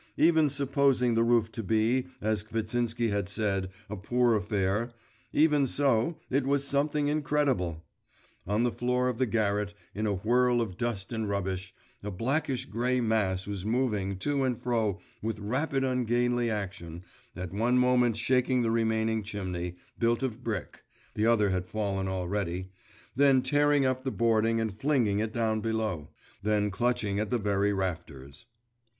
Even supposing the roof to be, as Kvitsinsky had said, a poor affair, even so, it was something incredible! On the floor of the garret, in a whirl of dust and rubbish, a blackish grey mass was moving to and fro with rapid ungainly action, at one moment shaking the remaining chimney, built of brick, (the other had fallen already) then tearing up the boarding and flinging it down below, then clutching at the very rafters.